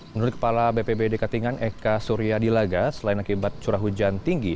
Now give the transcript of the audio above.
menurut kepala bpbd katingan eka surya dilaga selain akibat curah hujan tinggi